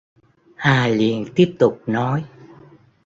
hà liền tiếp tục nói